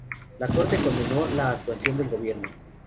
La Corte condenó la actuación del gobierno.